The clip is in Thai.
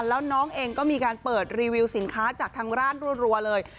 แล้วน้องเองก็มีการเปิดรีวิวสินค้าจากทางร้านรัวเลย